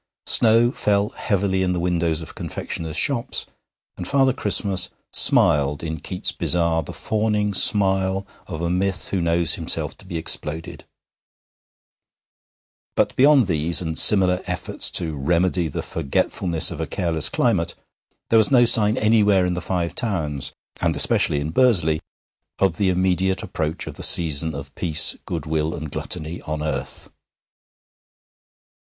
Snow fell heavily in the windows of confectioners' shops, and Father Christmas smiled in Keats's Bazaar the fawning smile of a myth who knows himself to be exploded; but beyond these and similar efforts to remedy the forgetfulness of a careless climate, there was no sign anywhere in the Five Towns, and especially in Bursley, of the immediate approach of the season of peace, goodwill, and gluttony on earth.